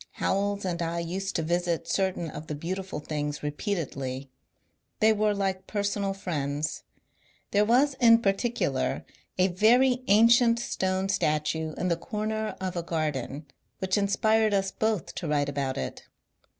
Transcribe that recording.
Howells and I used to visit certain of the beautiful things repeatedly. They were like personal friends. There was in particular a very ancient stone statue in the comer of a garden which inspired us both to write about it.